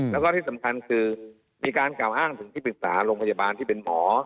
แล้วก็ที่สำคัญคือมีการกล่าวอ้างถึงที่ปรึกษาโรงพยาบาลที่เป็นหมอ